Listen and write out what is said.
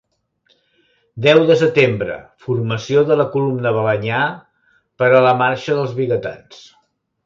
Deu de setembre: formació de la Columna Balenyà per a la Marxa dels Vigatans.